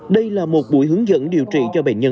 đây là một buổi hướng dẫn điều trị cho bệnh nhân